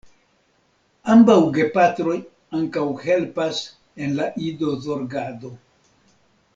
Ambaŭ gepatroj ankaŭ helpas en la idozorgado.